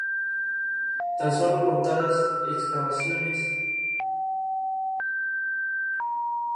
La película se rodó en Santander y recibió un premio Goya al sonido.